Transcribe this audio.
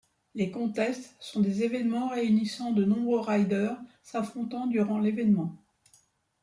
Les contests sont des événements réunissant de nombreux riders s'affrontant durant l'événement.